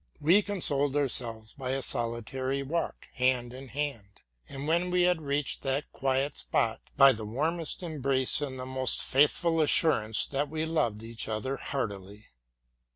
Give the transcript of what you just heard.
We consoled our selves by a solitary walk, hand in hand, and, when we had reached that quiet spot, by the warmest embrace, and the most faithful assurance that we loved each other heartily.